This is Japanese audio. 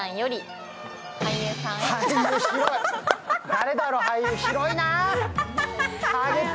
誰だろ、俳優、広いな。